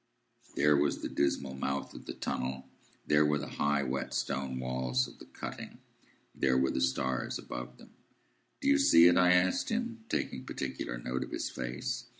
There was the dismal mouth of the tunnel. There were the high, wet stone walls of the cutting. There were the stars above them. "Do you see it?" I asked him, taking particular note of his face.